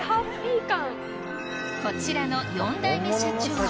こちらの４代目社長